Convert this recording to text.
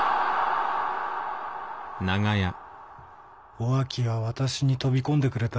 ・お秋が私に飛び込んでくれた。